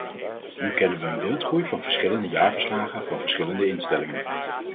Nu kennen we een wildgroei van verschillende jaarverslagen van verschillende instellingen.